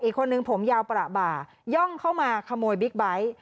คนหนึ่งผมยาวประบ่าย่องเข้ามาขโมยบิ๊กไบท์